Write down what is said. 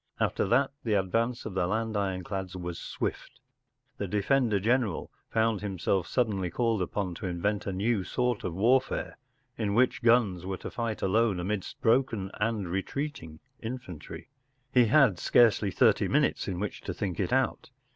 After that the advance of the land ironclads was swift. : The defender general found himself suddenly called upon to invent a new sort of warfare, in which guns were to fight alone amidst broken and retreating infantry. He had scarcely thirty minutes in which to think it out.